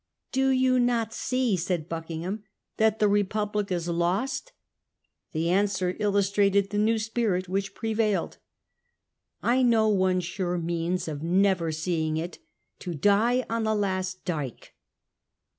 ' Do you not see,' said Buckingham, 1 that the Republic is lost?' The answer illustrated the new spirit which prevailed. ' I know one sure means of never seeing it — to die on the last dyke.